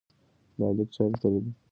دا لیک چا لیکلی دی؟